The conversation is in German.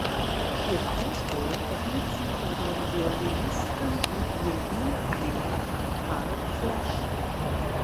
Ihre Ausbildung erhielt sie bei dem Violinisten und Violinlehrer Carl Flesch.